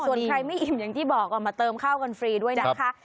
ส่วนใครไม่อิ่มอย่างที่บอกเอามาเติมข้าวกันฟรีด้วยนะคะ